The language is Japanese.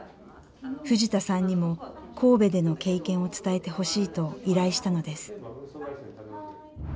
藤田さんにも神戸での経験を伝えてほしいと依頼したのです。